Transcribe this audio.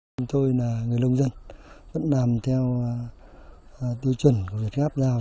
chúng tôi là người nông dân vẫn làm theo tiêu chuẩn của việt gap rao